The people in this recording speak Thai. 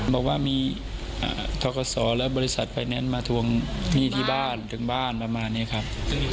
บอกว่ามีทกศและบริษัทไฟแนนซ์มาทวงหนี้ที่บ้านถึงบ้านประมาณนี้ครับ